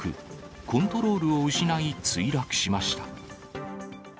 コントロールを失い墜落しました。